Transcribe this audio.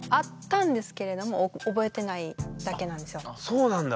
そうなんだ。